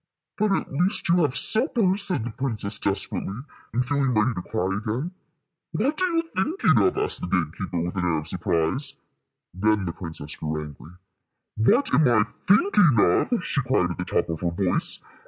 "But at least you have suppers," said the princess, desperately, and feeling ready to cry again. "What are you thinking of?" asked the gate keeper, with an air of surprise. Then the princess grew angry. "What am I thinking of?" she cried, at the top of her voice.